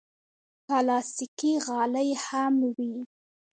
پلاستيکي غالۍ هم وي.